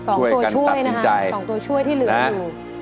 สองตัวช่วยที่เหลืออยู่